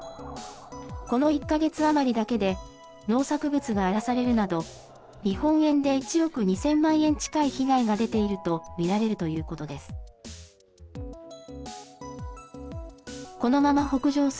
この１か月余りだけで、農作物が荒らされるなど、日本円で１億２０００万円近い被害が出ていると見られるということです。